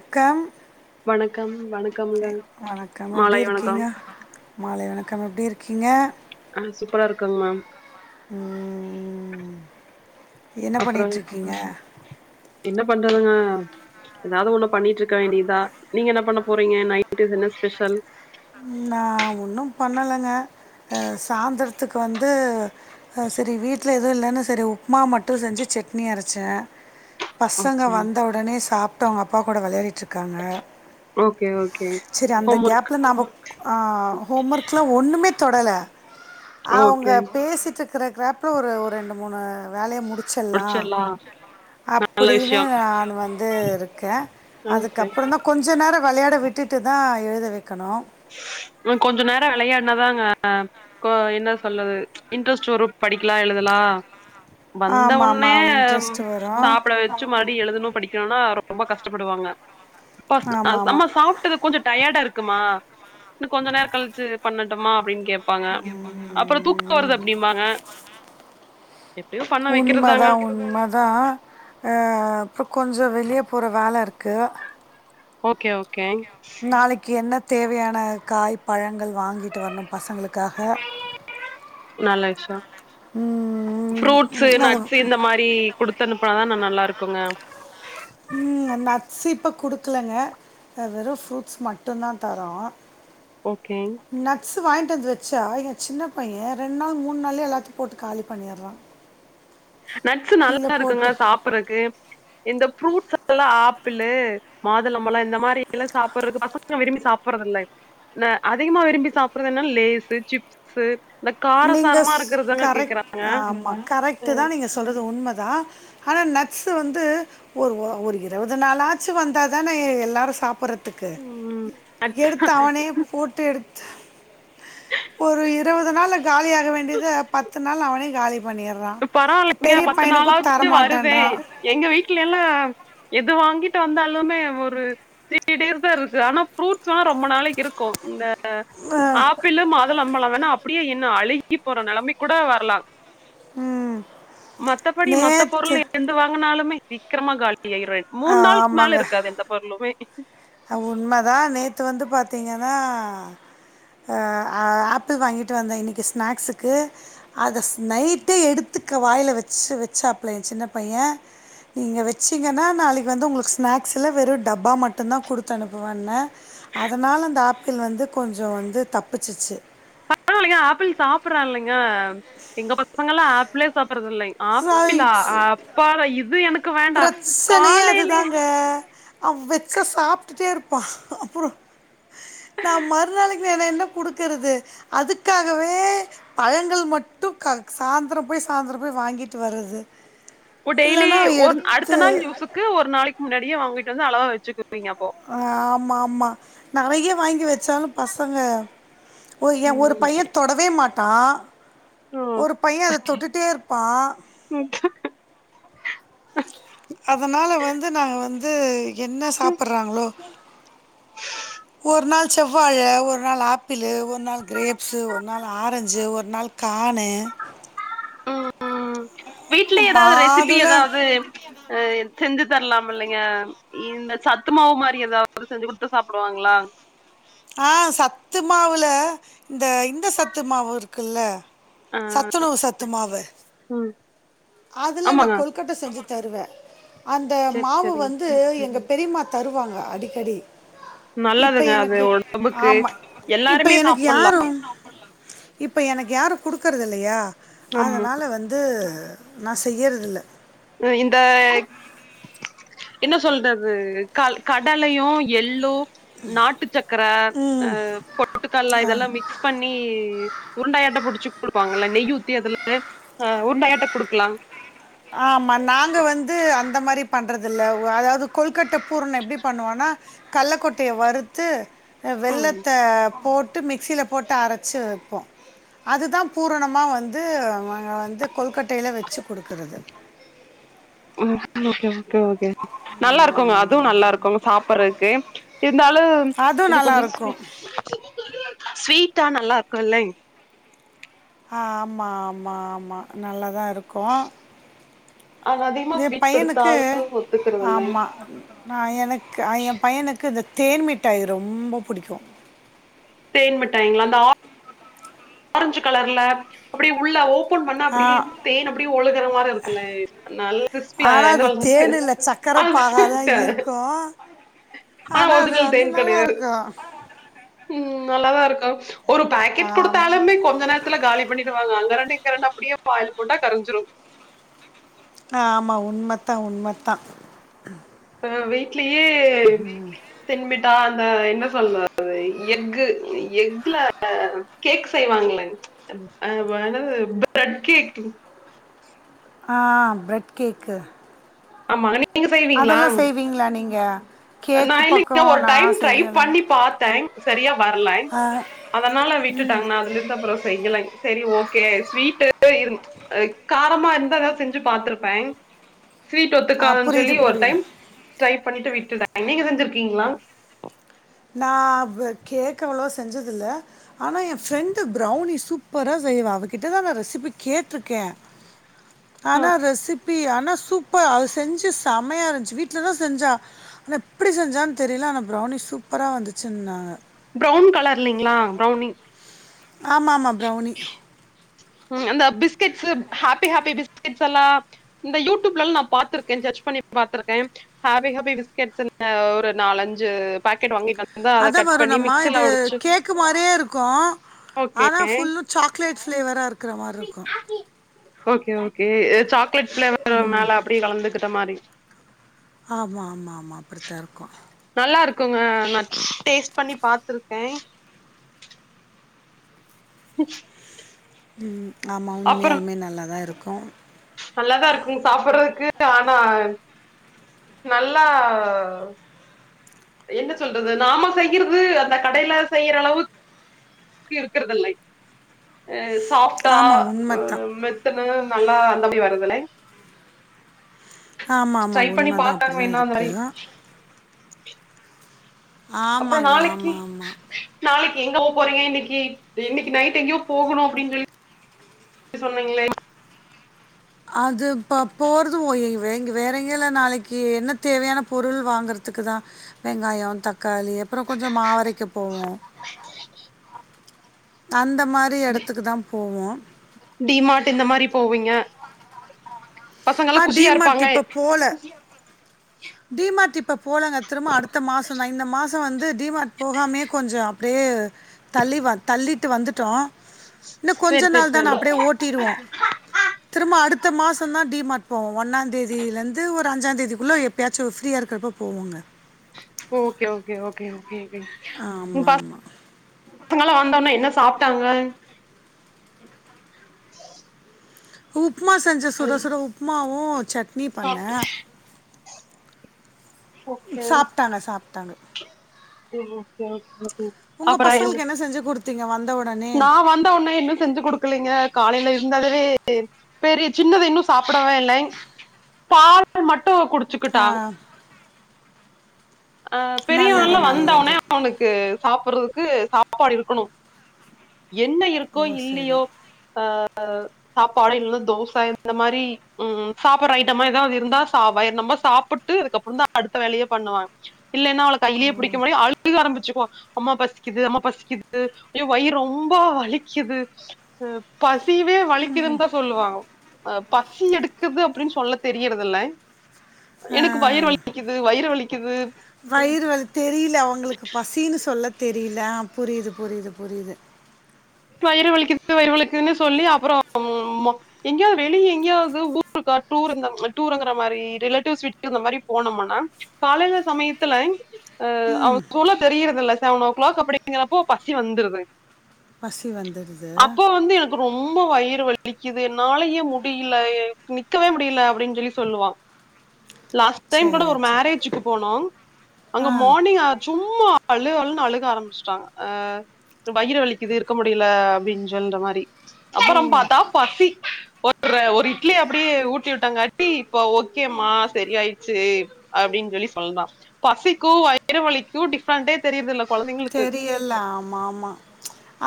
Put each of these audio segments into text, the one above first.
அக்கா வணக்கம் வணக்கம்ங்க வணக்கம் எப்டி மாலை வணக்கம் இருக்கீங்க மாலை வணக்கம் எப்டி இருக்கீங்க ஆ சூப்பரா இருக்கோங்க மேம் ம் என்ன அப்புறோ பண்ணிட்ருக்கீங்க என்ன பண்றதுங்க ஏதாது ஒண்ணு பண்ணிட்டு இருக்க வேண்டியதா நீங்க என்ன பண்ண போறீங்க நைட்டுக்கு என்ன ஸ்பெஷல் நா ஒன்னு பண்ணலங்க ஆ சாந்தரத்துக்கு வந்து ஆ சரி வீட்ல எதுவு இல்லன்னு சரி உப்மா மட்டு செஞ்சு சட்னி அரச்சே பசங்க ஓகே வந்தவொடனே சாப்ட்டு அவுங்க அப்பா கூட வெளையாடிட்ருக்காங்க ஓகே ஓகே செரி அந்த ஹோம் ஒர்க் கேப்ல நாம்போ ஆ ஹோம் ஒர்க்லா ஒண்ணுமே தொடல அவங்க ஓகே பேசிட்டு ருக்கிற கேப்ல ஒரு ஒரு ரெண்டு மூணு வேலைய முடி முடிச்சிர்லா அப்புடின்னு நான் வந்து இருக்கே ஓகே அதுக்கப்புறந்தா கொஞ்சோ நேரோ வெளையாட விட்டுட்டு தா எழுத வக்கணு ஆ கொஞ்சோ நேரோ வெளையாட்னா தாங்க கோ அங்க என்ன சொல்லறது இன்ட்ரெஸ்ட் வரு படிக்கலா எழுதலா ஆமாம் வந்தவொன்னே ஆமாம் இன்ட்ரெஸ்ட் வரும் சாப்ட வச்சு மறுடி எழுதணு படிக் கணுன்னா ரொம்ப கஷ்டப்படுவாங்க இப்பஸ் ஆ ஆமாம் நம்ம ஆமாம் சாப்ட்டது கொஞ்சோ டயர்டா இருக்குமா இன்னு கொஞ்ச நேர கழிச்சி பண்ணட்டுமா அப்டின் கேப் ப்பாங்க அப்பறோ தூக்க வருது அப்டிம்பாங்க எப்பியு பண்ண வக்கிறதாங்க அதா ஆ அப்ப கொஞ்சோ வெளிய போற வேல இருக்கு ஓகே ஓகே நாளைக்கு என்ன தேவையான காய் பழங்கள் வாங்கிட்டு வரணு பசங்களுக்காக நல்ல விஷ்யோ ம், ஃப்ரூட்ஸு அது நட்ஸு இந்த மா ரி குடுத்தனுப்புனா தான நல்லா இருக்குங்க ம் ந நட்ஸ் இப்போ குடுக்கலங்க ஆ வெறு ஃப்ரூட்ஸ் மட்டுந்தா தரோ ஓகே நட்ஸ் வாங்கிட்டு வந்து வச்சா எ சின்ன பைய ரெண்டு நாள் மூணு நாள்லயே எல்லாத்தையு போட்டு காலி பண்ணிட்றா [inaudible] நட்ஸ் நல்லாருக்குங்க சாப்புட்றக்கு இந்த ஃப்ரூட்ஸெல்லா ஆப்பிளு மாதுளம்பழோ இந்த மாரியெல்லா சாப்புட்றதுக்கு பசங்க விரும்பி சாப்புட்றது இல்ல ந அதிகமா விரும்பி சாப்புட்றதுன்னா லேசு சிப் ஸு இந்த நீங்க காரசாரமா இருக்கறதாங்க கேக்கறாங்க அ சொல்றது உண்மதா ஆனா நட்ஸு வந்து ஒரு ஒரு இருபது நாளாச்சு வந்தா தானே எல்லாரு சாப்புறதுக் த்துக்கு ம் நட்ஸ் எடுத்து அவனே போட் டு எடுத்து ஒரு இருவது நாள்ல காலியாக வேண்டியது பத்து நாள்ல அவனே காலி பண்ணிர் அ பரவால்லைங்க பத்து நாளாச்சு வருதே மாட்டேன்றான் எங்க வீட்லெல்லா எது வாங்கிட்டு வந்தாலுமே ஒரு த்ரீ டேஸ் தா இருக்கு ஆனா ஃப்ரூட்ஸல்லா ரொம்ப நாளைக்கி இருக்கு இந்த த அஹ், ஆப்பிலு மாதுளம்பழோ வேணா அப்பிடியே இன்னு அழுகி போற நெலமக்கூட வரலா ம் மத்தபடி மத்த பொருள் நேற்று எந்து வாங்குனாலுமே சீக்கிரமா காலிய ஆயிரு மூண் நாளுக்கு மேல இருக்காது எந்த பொருளுமே அ உண்மதா நேத்து வந்து பாத்தீங்கன்னா அ ஆ ஆப்பிள் வாங்கிட்டு வந்தே இன்னைக்கி ஸ்நாக்ஸுக்கு அத ஸ் நைட்டே எடுத்துக்க வாயில வச்சு வச்சாப்பல எ சின்ன பையே நீங்க வச்சிங்கன்னா நாளைக்கி வந்து உங்களுக்கு ஸ்நாக்ஸில வெறு டப்பா மட் ட்டுந்தா குடுத்து அனுப்புவேண்ண அதனால அந்த ஆப்பிள் வந்து கொஞ்சோ வந்து தப்பிச்சிச்சு பரவால்லைங்கா ஆப்பிள் சாப்புட்றா இல்லைங்க எங்க பசங்கல்லா ஆப்பிளே சாப்புட்றது இல்லைங்க ஆப்பிளா அ ஸோ அப்பாட இது எனக் பிரச்சனையே அதுதாங்க அவ வெச்சு சாப்பிட்டுட்டே இருப் ப்பா அப்புறம் நா மறுநாளைக்கி வேற என்ன குடுக்குறது அதுக்காகவே பழங்கள் மட்டும் க சாந்தரம் போய் சாந்தரம் போய் வாங்கிட்டு வரது ஓ டெய்லி ஒர் அடுத்த நாள் யூஸுக்கு ஒரு நாளைக்கி முன்னாடியே வாங்கிட்டு வந்து அளவா வச்சுக்குவீங்க அப்போ ஆ ஆமாமா நறயை வாங்கி வச்சாலு பசங்க ஒ எ ஒரு ம் பையே தொடவே மாட்டா ம் ஒரு பையே அத தொட்டுட்டே இருப்பா ம் அதனால வந்து நாங்க வந்து என்ன ம் சாப்புட்றாங்களோ ஒரு நாள் செவ்வாழ ஒரு நாள் ஆப்பிளு ஒரு ஒரு நாள் கிரேப்ஸு ஒரு நாள் ஆரஞ்ஜூ ஒரு நாள் கானு ம் ம் வீட்லயே ஏதாவது ரெசிபி மாதுளை ஏதாவது அ செஞ்சு தரலாமில்லைங்க இந்த சத்து மாவு மாரி எதாவது செஞ்சு குடுத்தா சாப்பிடுவாங்களா ஆ சத்து மாவுல இந்த இந்த சத்து மாவுருக்குல அ சத்துணவு சத்துமாவு ம் அதுல நா ஆமாங்க கொலுக் க்கட்ட செஞ்சு தருவே அந்த செரி மாவு செரி வந்து எங்க பெரிம தருவாங்க அடிக்கடி இப்போ நல்லதுங்க அது எனக்கு ஒடம்புக்கு எல்லாருமே சாப்புல்லா இப்ப எனக்கு யாரு குடுக்கரது இல்லையா ஆமா அதனால வந் து நா செய்யறதில்ல உ இந்த என்ன சொல்றது கல் கடலையு எள்ளோ நாட்டு சக்கர ஆ ம் பொட்டுக்கல்ல இதெல்லா மிக்ஸ் பண்ணி உருண்டாயாட்ட புடிச்சு குடுப்பாங்கல்ல நெய் ஊத்தி அதுல அ உருண்டயாட்ட குடுக்கலா ஆமா நாங்க வந்து அந் அந்த மாரி பண்றது இல்ல அதாவது கொழ்கட்ட பூரண எப்டி பண்ணுவோனா கல்ல கொட்டைய வறுத்து அ ம் வெள்ளத்த போட்டு மிக்சில போட்டு அரைச்சு வப்போ அது தா பூரணமா வந்து நாங்க வந்து கொழ்கட்டையில வச்சு குடுக்குறது ம் ஓகே ஓகே ஓகே நல்லா இருக்குங்க அதுவு நல்லா இருக் அவுங்க சாப்புறக்கு இருந்தாலும் அதுவும் இது நல்லா கொஞ்சோ ஸ்வி இருக்கும் ஸ்வீட்டா நல்லா இருக்கு இல்லைங் ஆ ஆமா ஆமா ஆமா நல்லாதா இருக்கு அது அதிகமா தே ஸ்வீட் பையனுக்கு குடுத்தாலு ஒத்துக்கறது இல்லைங் ஆமா நா எனக்கு ஆ எ பையனுக்கு இந்த தேன் மிட்டாய் ரொம்ப புடிக்கு தேன் மிட்டாய்ங்களா அந்த ஆ ஆரஞ்சு கலர்ல அப்பிடி உள்ள ஓ ஓபன் பண்ணா அப்டியே ஆ, தேன் அப்டியே ஒழுகற மார இருக்குல்ல நல்ல [unintelligible] க்கர பாகா தா இருக்கு ஆனா அது வந்து நல்லாருக்கு ம் நல்லாதா இருக்கு ஒரு பாக்கெட் குடுத் ஆமா கொஞ்ச நேரத்துல காலி பண்ணிடுவாங்க அங்க இரண்டு இங்கரண்டு அப்டியே வாயில போட்டா கரைஞ்சுரு ஆ ஆமா உண்மத்தா உண்மத்தா அ வீட்லயே தென்மிட்டா அந்த என்ன சொல்றது ந்த எஃகு எக்ல கேக் செய்வாங்களங் அ வ என்னது பிரட் கேக் ஆ பிரட் கேக்கு ஆமா நீங்க செய்வீங்களா அதெல்லா செய்வீங்களா நீங்க நா கேக்கு பக்கோ இல்லைங் ஒரு நா டைம் ட்ரை செய்யலங்க பண்ணி பாத்தேங் சரியா வரலங் அதனால விட்டுட்டங் நா அதுல இருந்து அப்றம் செய்யலைங் சேரி ஓகே ஸ்வீட்டு இருந் அ காரமா இருந்தா ஏதாவது செஞ்சு பாத்துருப்பேங் ஸ்வீட்டு ஆ ஒத்துக்காதுன்னு சொல்லி புரியுது ஒரு புரியுது டைம் ட்ரை பண்ணிட்டு விட்டுடேங் நீங்க செஞ்சிருக்கீங்களா நா பு கேக்கு அவ்வளவா செஞ்சது இல்ல ஆனா எ ஃப்ரெண்டு ப்ரௌனி சூப்பரா செய்வா அவகிட்டதா நா ரெசிபி கேட்ருக்கே ஆனா ரெசிபி ஆனா சூப்பர் அவ செஞ்சு செம்மையா இருந்துச்சு வீட்லதா செஞ்சா ன்ன எப்படி செஞ்சான்னு தெரில ஆனா ப்ரௌனி சூப்பரா வந்துச்சுன்னாங்க ப்ரௌன் கலர்லைங்களா ப்ரௌனி ஆமா ஆமா ப்ரௌனி ம் அந்த பிஸ்கெட்ஸு ஹாப்பி ஹாப்பி பிஸ்கெட்ஸ் எல்லா இந்த யூடியூப்ல எல்லா நா பாத்திருக்கே ஜ்ட்ஜ் பண்ணி பாத்துருக்கே ஹாப்பி ஹாப்பி பிஸ்கெட்ஸு ன்ன ஒரு நாலஞ்சு பாக்கெட் வாங்கிட்டு வந் அதா வருணம்மா இது கேக்கு மாரியே இருக்கு ஓகே ஆனா ஃபுல்லு சாக்லேட் ஃப்ளேவரா இருக்குற மாரி இருக்கு ஓகே ஓகே சாக்லேட் ஃபிளேவர் மேல அப்டியே கலந்துகிட்ட மாரி ஆமா ஆமா ஆமா அப்படித்தா இருக்கு நல்லா இருக்குங்க நா டேஸ்ட் பண்ணி பாத்துருக்கே [inaudible] ஆமா அப்புறோ உண்மையாலுமே நல்லா தா இருக்கு நல்லாதா இருக்குங் சாப்டுறதுக்கு ஆனா நல்லா என்ன சொல்றது நாம செய்யறது அந்த கடைல செய்யற அளவுக் இருக்கறதில்லைங் அஹ சாஃப்டா ஆமா உண்ம தான். ஹ் ன்னு நல்லா நம்பி வரதுல்லை ஆமாமா ட்ரை பண்ணி உண்ம தான். பாக்காங்க அப்படிதான் வேன்னா அந்த இருக்கு. மாரி அப்றோ ஆமாங்க. நாளைக்கி ஆமா, ஆமா. நாளைக் எங்க போ போறீங்க இன்னைக்கு இன்னைக்கு நைட் எங்கேயோ போகணு அப்டின் சொல்லி சொன்னீங்ளே அது இப்ப போறது [unintelligible] இங்க வேற எங்கல நாளைக்கு என்ன தேவையான பொருள் வாங்கறதுக்தா வெங்காயோ தக்காளி அப்றோ கொஞ்ச மாவரைக்க போவோ அந்த மாரி எடத்துக் தா போவோ டிமார்ட் இந்த மாரி போவீங்க பசங்கல்லா குஷியாருப்பாங்க போல டீமார்ட் இப்ப போலங்க திரும்ப அடுத்த மாசந் தா இந்த மாச மாசம் வந்து டிமார்ட் போகாமே கொஞ்ச அப்டியே தள்ளி வ தள்ளிட்டு வந்துட்டோ இன்னு சேரி கொஞ்ச சேரி நாள்தான சேரி அப்டியே ஓட்டிருவோ திரும்ப அடுத்த மாசந்தா டி மார்ட் போவோ ஒன்னா தேதில இருந்து ஒரு அஞ்சா தேதிக்குள்ள எப்பயாச்சு ஃப்ரீயா இருக்கறப்போ போவோங்க ஓகே ஓகே ஓகே ஓகே ஆமா ஆமா [unintelligible] பசங்களா வந்தோனே என்ன சாப்டாங்க உப்மா செஞ்சு சுட சுட உப்மாவு சட்னி பண்ண சாப்ட்டு ஓகே சாப்டாங்க சாப்டாங்க [unintelligible] அப்பனா எந்து பசங்களுக்கு என்ன செஞ்சு குடுத்தீங்க வந்த ஒடனே நா வந்த ஒண்ணே என்ன செஞ்சு குடுக்க இல்லைங்க காலைல இருந்ததுவே பெரிய சின்னது இன்னு சாப்டவே இல்ல பால் மட்டு குடு ஆஹ ஆஹ நல்லது பெரியவலா வந்த ஒனே நல்லது அவனுக் கு சாப்றதுக்கு சாப்பாடு இருக்கணு என்ன இருக் இருக்கோ ஓ சரி இல்லையோ ஆஹ சாப்பாடோ இல்ல தோச இந்த மாரி உம் உம் சாப்ற ஐட்டமா ஏதாவது இருந்தா ச வயிற்றொம்ப சாப்புட்டு அதுக்கப்றோ தா அடுத்த வேலையே பண்வாங்க இல்லேன்னா அவள ஓ கைலியே புடிக்க முடியு அழு அழுக ஆரம்பிச்குவா அம்மா பசிக்குது அம்மா பசிக்குது ஐயோ வயிறு ரொம்போ வலிக்குது பசிவே வலிக்குதுன் தா சொல்லுவா அவ அ பசி எடுக்குது அப்டின்னு சொல்ல தெரியறதில்ல ஆ எனக் வயிறு வலிக்குது வயிறு வலிக்குது வயிறு வலி தெரில அவங்ளுக்கு பசின்னு சொல்ல தெரில புரிது புரிது புரிது வயிறு வலிக்குது வயிறு வலிக்குதுனே சொல்லி அப்றோ எங்கியோ வெளியோ எங்கியாவது ஊருக்கா டூர் இந்த டூருங்கற மாரி ரிலேட்டிவ்ஸ் வீட்கு இந்த மாரி போனோம்மனா காலைல சமயத்துல அ [unintelligible] தெரியறதில்ல செவனோ கிளாக் அப்டிங்கறப்போ பசி வந்துருது பசிவந்துருது அப்போ வந்து என ரொம்ப வயிறு வலிக்குது என்னாலயே முடியில நிக்கவே முடில அப்டின் சொல்லி சொல்லுவா லாஸ்ட் டைம் கூட ஒரு சரி சரி மேரேஜுக்கு போனோ அங்க ஆ மார்னிங் அ சும்மா அழுஅழுன் அழுக ஆரம்பிச்ட்டா ஆ வயிறுவலி கிது இருக்க முடியில அப்டின் சொல்றமாரி அப்பற ஓ பாத்தா பசி ஒர் ர்ர ஒரு இட்லி அப்பிடியே ஊட்டி விட்டாங்காட்டி இப்ப ஓகேம்மா சரி ஆயிச் சு அப்டின் சொல்லி சொல்றா பசிக்கு வயிறுவலிக்கு டிப் பிரெண்டே தெரியர்தில்ல கொழந்தைங்களுக்கு இல்ல ஆமா ஆமா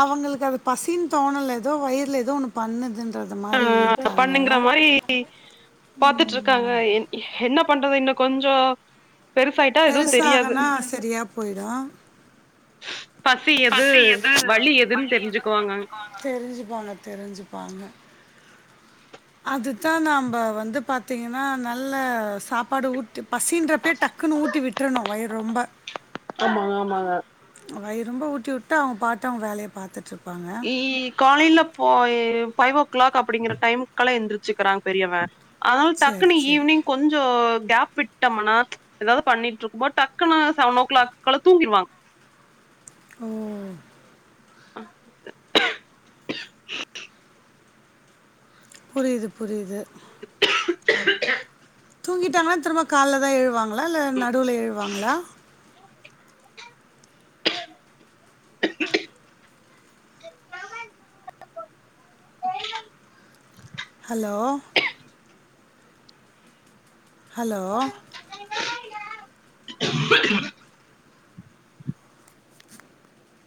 அவங்களுக்கு அது பசின் தோணல ஏதோ வயர்ல ஏதோ ஒன்னு பண்ணுதுன்றது மாரி இருக்காங்க பண்ணுங்கிற மாதிரி பாத்துட்டு இருக்காங்க ம் என்ன பண்றது இன்னு கொஞ்சோ பெருசாயிட்டா எதோ தெரியாது பெருசாகனா சரியா போயிடும் பசி எது எதுன்னு வலி எதுன் தெரிஞ்சுக்குவாங்க தெரிஞ்சிகுவாங்க அதுதா நம்ப வந்து பாத்தீங்கன்னா நல்ல சாப்பாடு ஊட் பசின்றப்பே டக்குனு ஊட்டி விட்றணு வயிற்ரொம்ப ஆமாங்க ஆமாங்க இப்ப வயிரொம்ப ஊட்டிவுட்டா அவுங்பாட்டு அவுங் வேலய பாத்திட்ருப் இ காலிலபோய் ஃபை வோ கிளாக் அப்டிங்கிற டைமுக்கெலா எந்திரிச்சிக்கிறாங் பெரியவ அதனால சரி டக்குன்னு சரி ஈவினிங் கொஞ் ஜோ கேப் விட்டமுனா ஏதாவது பண்ணிட்ருப்போ டக்குனு செவனோ கிளாக்ல்கல தூங்கிருவாங்க ஓ [inaudible] புரிது புரிது [inaudible] தூங்கிட்டாங்கனா திரும்ப கால்ல தா எழுவாங்ளா இல்ல நடுவுல எழுவாங்ளா [inaudible] [inaudible] ஹலோ [inaudible] ஹலோ [inaudible]